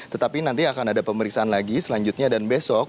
tetapi nanti akan ada pemeriksaan lagi selanjutnya dan besok